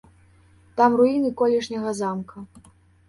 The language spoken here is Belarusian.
Там руіны колішняга замка.